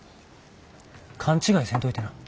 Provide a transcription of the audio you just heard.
勘違いせんといてな。